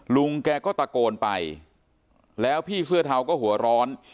ลุงแกก็ตะโกนไปแล้วพี่เสื้อเทาก็หัวร้อน